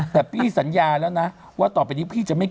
แต่พี่สัญญาแล้วนะว่าต่อไปนี้พี่จะไม่